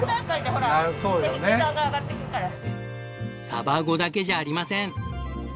サバゴだけじゃありません。